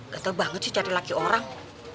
gatel banget sih cari lagi orang